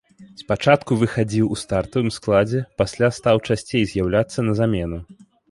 Спачатку выхадзіў у стартавым складзе, пасля стаў часцей з'яўляцца на замену.